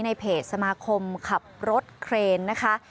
ในเพจสมาคมขับรถเครนนะคะ